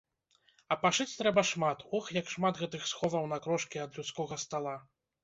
А пашыць трэба шмат, ох, як шмат гэтых сховаў на крошкі ад людскога стала!